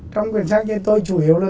trong quyển sách này tôi chủ yếu là